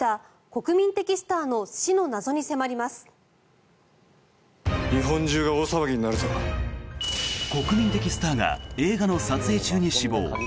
国民的スターが映画の撮影中に死亡。